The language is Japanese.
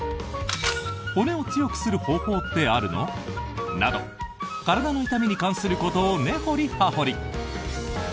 骨を強くする方法ってあるの？など体の痛みに関することを根掘り葉掘り！